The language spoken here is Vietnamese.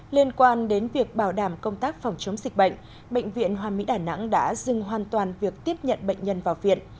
liên quan đến việc bảo đảm công tác phòng chống dịch bệnh bệnh viện hoa mỹ đà nẵng đã dừng hoàn toàn việc tiếp nhận bệnh nhân vào viện